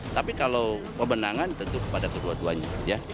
tapi kalau pemenangan tentu kepada kedua duanya